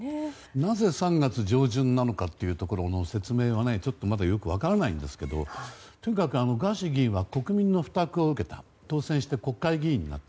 なぜ３月上旬かの説明がよく分からないですがとにかくガーシー議員は国民の負託を受けて当選して国会議員になった。